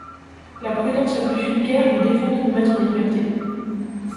La prudence la plus vulgaire lui défend de nous mettre en liberté.